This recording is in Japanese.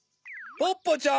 ポッポちゃん！